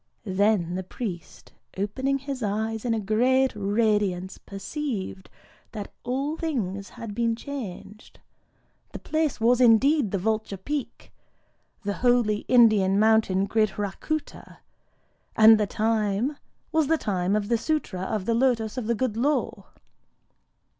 Then the priest, opening his eyes in a great radiance, perceived that all things had been changed: the place was indeed the Vulture Peak,—the holy Indian mountain Gridhrakûta; and the time was the time of the Sûtra of the Lotos of the Good Law.